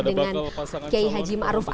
dengan kiai haji marufudin